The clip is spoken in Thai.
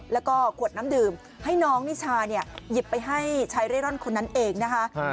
แล้วก็ขวดน้ำดื่มให้น้องนิชาเนี่ยหยิบไปให้ชายเร่ร่อนคนนั้นเองนะคะ